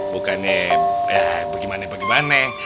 bukannya ya bagaimana bagaimana